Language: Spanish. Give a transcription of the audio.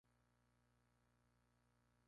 Los mitos suelen centrarse en los primigenios.